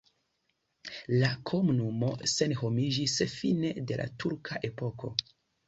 La komunumo senhomiĝis fine de la turka epoko.